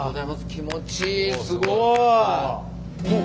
気持ちいいすごい！